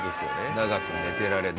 長く寝てられる。